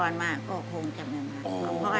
แต่เงินมีไหม